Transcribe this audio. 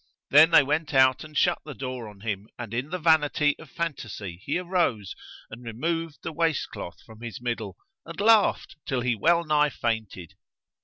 Then they went out and shut the door on him; and in the vanity of phantasy he arose and removed the waist cloth from his middle, and laughed till he well nigh fainted.